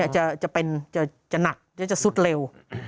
จะเป็นจะหนักจะสุดเร็ว